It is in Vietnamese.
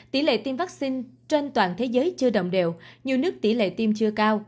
tỷ lệ tiêm vaccine trên toàn thế giới chưa đồng đều nhiều nước tỷ lệ tiêm chưa cao